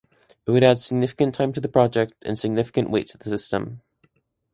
It would add significant time to the project and significant weight to the system.